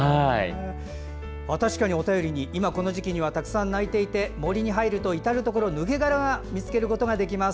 確かにお便りに今この時期にはたくさん鳴いていて森に入ると抜け殻が見つけることができます。